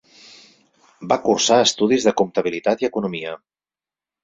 Va cursar estudis de comptabilitat i economia.